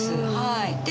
はい。